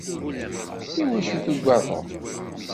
Iwacu tugadeḍ?